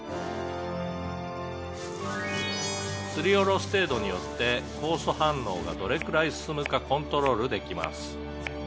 「すりおろす程度によって酵素反応がどれくらい進むかコントロールできます」